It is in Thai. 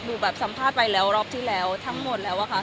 แบบสัมภาษณ์ไปแล้วรอบที่แล้วทั้งหมดแล้วอะค่ะ